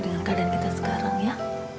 dengan keadaan kita sekarang ya